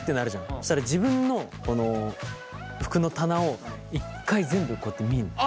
そしたら自分の服の棚を１回全部こうやって見るんだよ。